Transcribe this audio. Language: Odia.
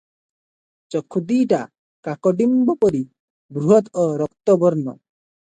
ଚକ୍ଷୁ ଦୁଇଟା କାକଡିମ୍ବ ପରି ବୃହତ୍ ଓ ରକ୍ତବର୍ଣ୍ଣ ।